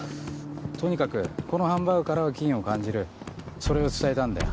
とにかくこのハンバーグからは菌を感じるそれを伝えたんだよ。